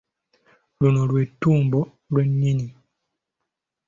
Luno lwetumbo lwennyini.